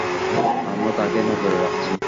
আমরা তাকে নজরে রাখছি।